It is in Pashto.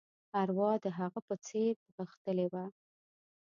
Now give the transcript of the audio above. ارواح د هغه په څېر غښتلې وه.